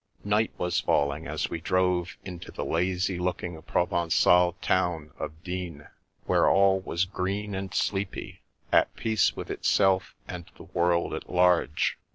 Night was falling as we drove into the lazy look ing Provencal town of Digne, where all was green and sleepy, at peace with itself and the world at large.